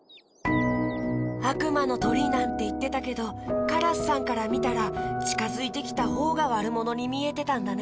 あくまのとりなんていってたけどカラスさんからみたらちかづいてきたほうがわるものにみえてたんだね。